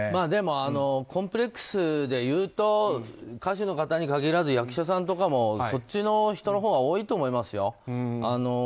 でも、コンプレックスでいうと歌手の方に限らず役者さんとかもそっちの人のほうは多いと思いますよ。